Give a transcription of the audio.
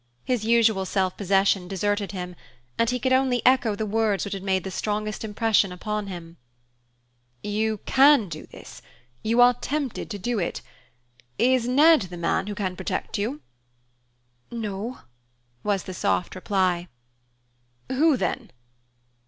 His usual self possession deserted him, and he could only echo the words which had made the strongest impression upon him: "You can do this, you are tempted to do it. Is Ned the man who can protect you?" "No" was the soft reply. "Who then?"